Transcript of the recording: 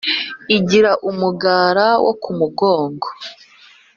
Igira umugara wo ku mugongo